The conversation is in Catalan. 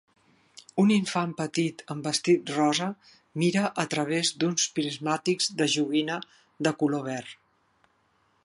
Un infant petit amb vestit rosa mira a través d'uns prismàtics de joguina de color verd.